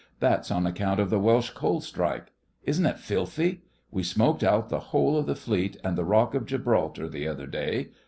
That's on account of the Welsh Coal Strike. Isn't it filthy? We smoked out the whole of the Fleet and the Rock of Gibraltar the other day.